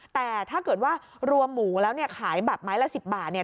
แต่ถ้าเกิดว่ารวมหมูแล้วเนี่ยขายแบบไม้ละ๑๐บาทเนี่ย